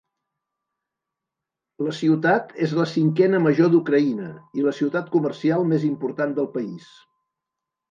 La ciutat és la cinquena major d'Ucraïna i la ciutat comercial més important del país.